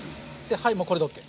はいもうこれでＯＫ。